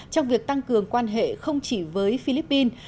trong việc tăng cường quan hệ không chỉ với philippines